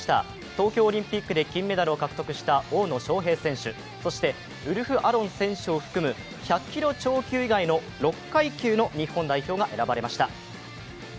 東京オリンピックで金メダルを獲得した大野将平選手、そしてウルフ・アロン選手を含む１００キロ超級以外の６階級の日本代表が選ばれました。